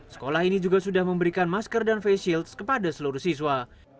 sekolah ini juga sudah memberikan masker dan face shield kepada seluruh siswa